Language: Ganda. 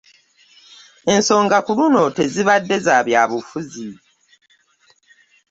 Ensonga ku luno tezibadde za byabufuzi.